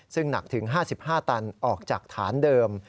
ซึ่งหนักถึง๕๕ตันออกจากฐานเดิม